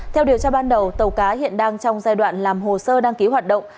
theo điều tra ban đầu tàu cá hiện đang trong giai đoạn làm hồ sơ đăng ký hoạt động